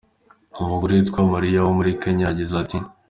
Umugore witwa Mariya wo muri Kenya yagize ati:.